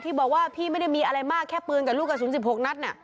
บอกว่าพี่ไม่ได้มีอะไรมากแค่ปืนกับลูกกระสุน๑๖นัด